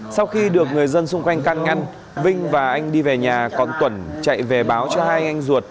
sau khi được người dân xung quanh can ngăn vinh và anh đi về nhà còn tuẩn chạy về báo cho hai anh ruột